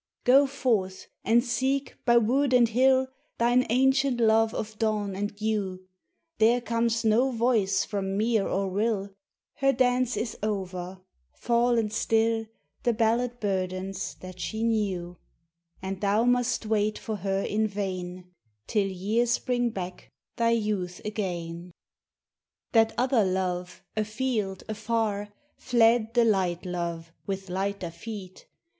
Go forth and seek, by wood and hill, Thine ancient love of dawn and dew; There comes no voice from mere or rill, Her dance is over, fallen still The ballad burdens that she knew: And thou must wait for her in vain, Till years bring back thy youth again. That other love, afield, afar Fled the light love, with lighter feet.